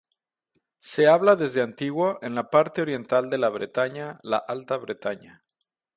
Se habla desde antiguo en la parte oriental de la Bretaña, la Alta Bretaña.